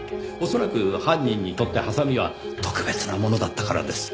恐らく犯人にとってハサミは特別なものだったからです。